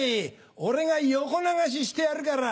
俺が横流ししてやるから。